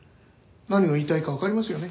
何を言いたいかわかりますよね？